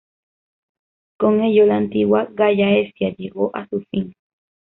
Con ello, la antigua "Gallaecia" llegó a su fin.